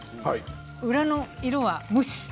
裏の色は無視。